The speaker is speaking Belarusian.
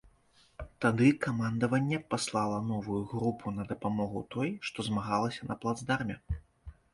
Тады камандаванне паслала новую групу на дапамогу той, што змагалася на плацдарме.